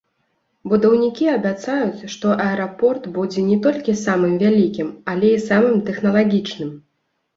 Будаўнікі абяцаюць, што аэрапорт будзе не толькі самым вялікім, але і самым тэхналагічным.